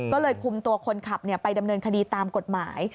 ก็เลยคุมตัวคนขับไปดำเนินคดีตามกฎหมาย